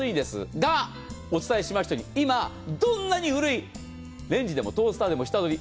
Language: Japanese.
が、お伝えしましたように今、どんなに古いレンジでもトースターでも下取り。